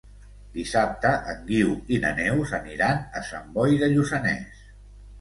Dissabte en Guiu i na Neus aniran a Sant Boi de Lluçanès.